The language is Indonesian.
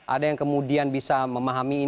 ada yang kemudian bisa memahami